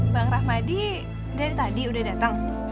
bang rahmadi dari tadi udah datang